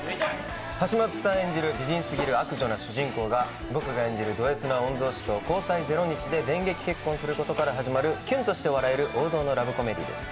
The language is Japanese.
橋本さん演じる美人過ぎる悪女な主人公が僕が演じるドＳな御曹司と交際ゼロ日で電撃結婚することから始まるキュンとして笑える王道のラブコメディーです。